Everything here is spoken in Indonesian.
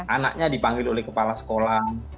anaknya dipanggil oleh kepala sekolah kenapa kok belum bayar